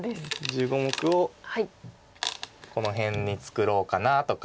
１５目をこの辺に作ろうかなとか。